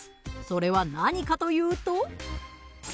それは何かというと。